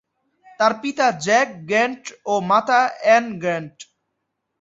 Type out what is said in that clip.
তার পিতা Jack Grant ও মাতা অ্যান গ্র্যান্ট।